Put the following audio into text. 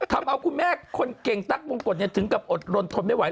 ทำเอาคุณแม่คนเก่งตั๊กมงกฎถึงกับอดรนทนไม่ไหว